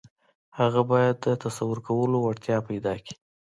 هغه بايد د تصور کولو وړتيا پيدا کړي.